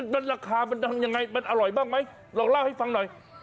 มันราคามันทำยังไงมันอร่อยบ้างไหมลองเล่าให้ฟังหน่อย